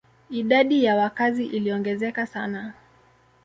Idadi ya wakazi iliongezeka sana.